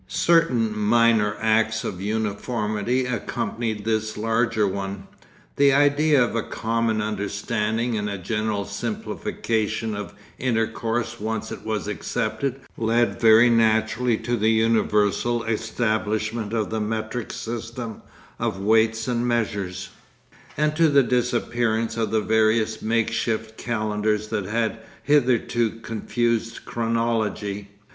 Certain minor acts of uniformity accompanied this larger one. The idea of a common understanding and a general simplification of intercourse once it was accepted led very naturally to the universal establishment of the metric system of weights and measures, and to the disappearance of the various makeshift calendars that had hitherto confused chronology.